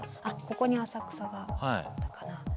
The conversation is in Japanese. あっここに浅草があったかな。